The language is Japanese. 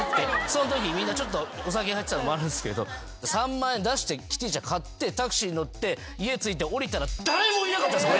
そのときみんなちょっとお酒入ってたのもあるんすけど３万円出してキティちゃん買ってタクシーに乗って家着いて降りたら。